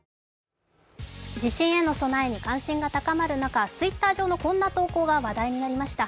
地震への備えに関心が高まる中、Ｔｗｉｔｔｅｒ上のこんな投稿が話題になりました。